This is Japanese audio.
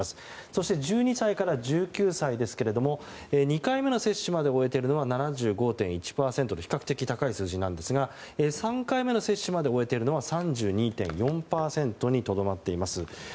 そして、１２歳から１９歳ですが２回目の接種まで終えているのは７５．１％と比較的高い数字なんですが３回目の接種まで終えているのは３２．４％にとどまっています。